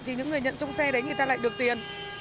thì những người nhận trong xe đấy người ta lại được tiền